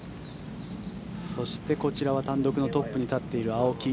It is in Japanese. そして、こちらは単独トップに立っている青木。